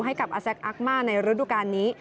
ให้กับอาแซคอัคมาในฤดูการนี้